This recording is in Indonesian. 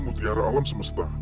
putihara alam semesta